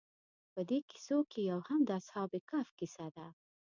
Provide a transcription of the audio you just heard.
په دې کیسو کې یو هم د اصحاب کهف کیسه ده.